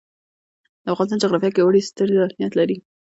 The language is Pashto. د افغانستان جغرافیه کې اوړي ستر اهمیت لري.